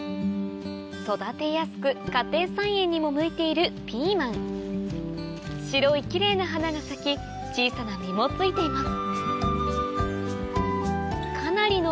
育てやすく家庭菜園にも向いているピーマン白いキレイな花が咲き小さな実もついています